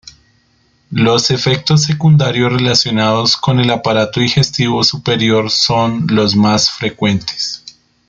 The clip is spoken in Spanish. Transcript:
Los efectos secundarios relacionados con el aparato digestivo superior son los más frecuentes.